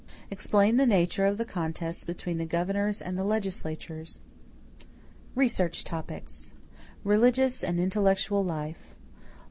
Explain the nature of the contests between the governors and the legislatures. =Research Topics= =Religious and Intellectual Life.